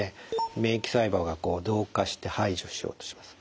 免疫細胞が増加して排除しようとします。